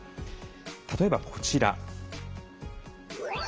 例えばこちら。